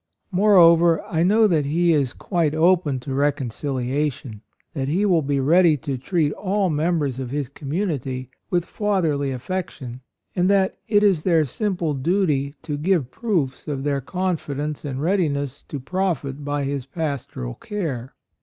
Moreover, I know that he is quite open to reconciliation: that he will be ready to treat all members of his community with fatherly affection ; and that it is their simple duty to give proofs of their confidence and readiness to profit by his pas toral care.